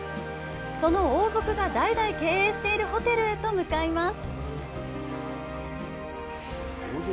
その王族が代々経営しているホテルへと向かいます。